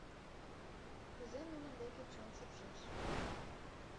Кузе нунын деке чон шупшеш!